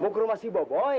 mau ke rumah si boboi